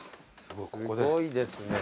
すごいですね。